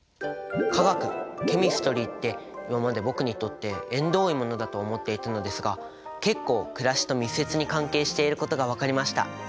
「化学」「Ｃｈｅｍｉｓｔｒｙ」って今まで僕にとって縁遠いものだと思っていたのですが結構暮らしと密接に関係していることが分かりました。